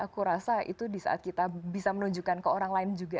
aku rasa itu di saat kita bisa menunjukkan ke orang lain juga